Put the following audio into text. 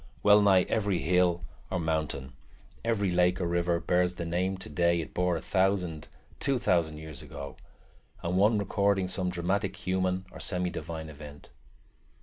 Well nigh every hill or mountain, every lake or river, bears the name today it bore a thousand, two thousand, years ago, and one recording some dramatic human or semi divine event.